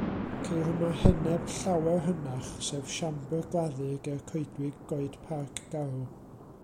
Ceir yma heneb llawer hynach, sef siambr gladdu ger coedwig Goed Parc Garw.